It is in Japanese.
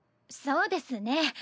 そうですね。